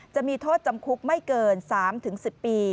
จะมีโทษจำคุกไม่เกิน๓๑๐ปี